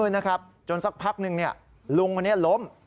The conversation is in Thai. นะครับจนสักพักนึงลุงคนนี้ล้ม